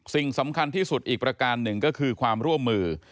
สิ่งสำคัญที่สุดอีกประการหนึ่งก็คือความร่วมมือ